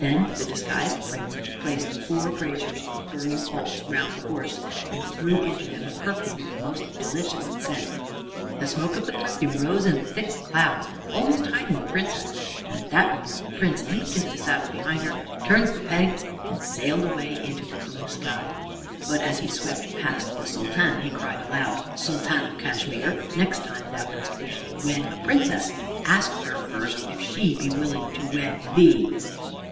Then the disguised Prince placed four braziers of burning coals round the horse and threw into them a perfume of a most delicious scent. The smoke of the perfume rose in thick clouds, almost hiding the Princess, and at that moment the Prince leaped into the saddle behind her, turned the peg, and sailed away into the blue sky. But as he swept past the Sultan, he cried aloud, "Sultan of Cashmere, next time thou dost wish to wed a Princess, ask her first if she be willing to wed thee."